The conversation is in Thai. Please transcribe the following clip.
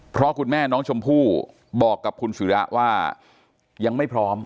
เพราะคุณแม่น้องชมพู่บอกกับคุณศิระว่ายังไม่พร้อม